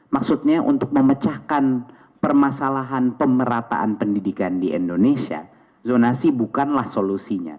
maksudnya untuk memecahkan permasalahan pemerataan pendidikan di indonesia zonasi bukanlah solusinya